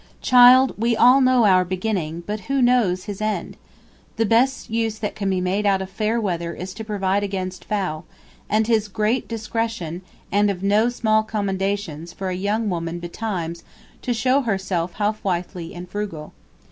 Child, we all know our beginning, but who knows his end? Ye best use tht can be made of fair weathr is to provide against foule & 'tis great discretion & of noe small commendations for a young woman betymes to shew herself housewifly & frugal.